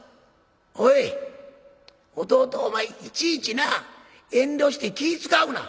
「おい弟お前いちいちな遠慮して気ぃ遣うな。